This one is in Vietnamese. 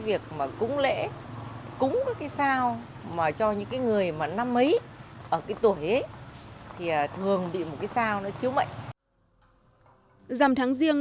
và các cái sao mà cho những cái người mà năm mấy và các cái sao mà cho những cái người mà năm mấy